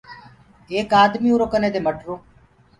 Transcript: ايڪ آدميٚ اُرو ڪني دي مٽرو۔